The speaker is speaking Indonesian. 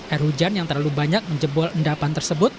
air hujan yang terlalu banyak menjebol endapan tersebut